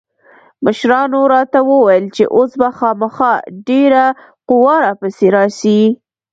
مشرانو راته وويل چې اوس به خامخا ډېره قوا را پسې راسي.